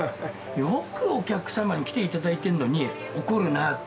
よくお客様に来て頂いてるのに怒るなって。